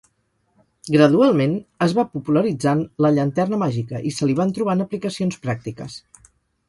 Gradualment, es va popularitzant la llanterna màgica, i se li van trobant aplicacions pràctiques.